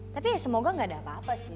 tapi ya semoga gak ada apa apa sih